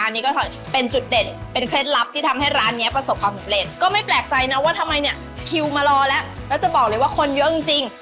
อันนี้ก็เป็นจุดเด่นเป็นเคล็ดลับที่ทำให้ร้านนี้ประสบความสำเร็จก็ไม่แปลกใจนะว่าทำไมเนี่ยคิวมารอแล้วแล้วจะบอกเลยว่าคนเยอะจริง